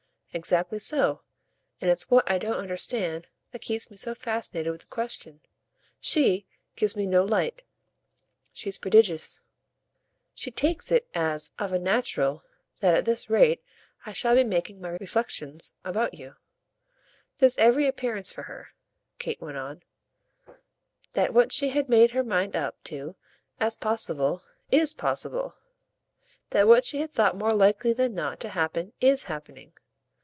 "Exactly so and it's what I don't understand that keeps me so fascinated with the question. SHE gives me no light; she's prodigious. She takes everything as of a natural !" "She takes it as 'of a natural' that at this rate I shall be making my reflexions about you. There's every appearance for her," Kate went on, "that what she had made her mind up to as possible IS possible; that what she had thought more likely than not to happen IS happening.